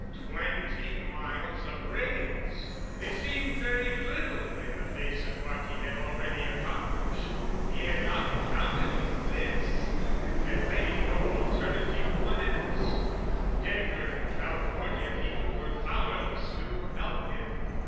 Twenty miles of rails! They seemed very little in the face of what he had already accomplished. He had not counted on this, and had laid no alternative plans. The Denver and California people were powerless to help him.